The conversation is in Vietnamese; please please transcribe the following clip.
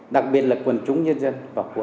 đặc biệt là quần chúng nhân dân